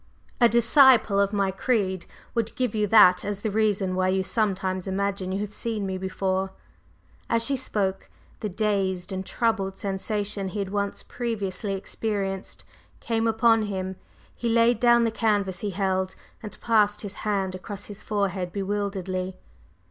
A disciple of my creed would give you that as the reason why you sometimes imagine you have seen me before." As she spoke, the dazed and troubled sensation he had once previously experienced came upon him; he laid down the canvas he held and passed his hand across his forehead bewilderedly.